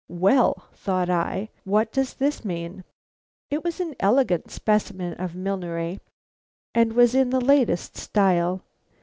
"Well!" thought I, "what does this mean!" It was an elegant specimen of millinery, and was in the latest style.